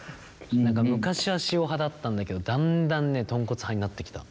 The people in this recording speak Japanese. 昔は塩派だったんだけどだんだんねとんこつ派になってきた。